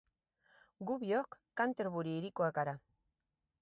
Gu biok Canterbury hirikoak gara.